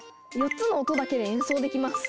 ４つの音だけで演奏できます！